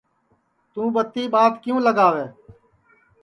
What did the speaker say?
توں ٻتی ٻات کیوں لگاوے